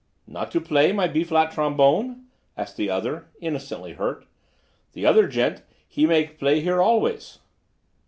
"Not to play my B flat trombone?" asked the other, innocently hurt. "The other gent he make play here always."